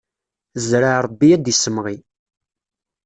Zreɛ Ṛebbi ad d-issemɣi!